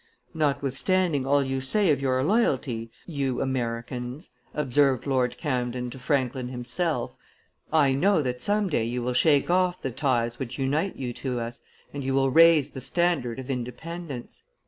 "Notwithstanding all you say of your loyalty, you Americans," observed Lord Camden to Franklin himself, "I know that some day you will shake off the ties which unite you to us, and you will raise the standard of independence."